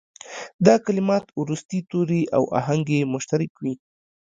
دا کلمات وروستي توري او آهنګ یې مشترک وي.